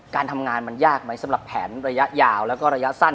การทำงานมันยากไหมสำหรับแผนระยะยาวแล้วก็ระยะสั้น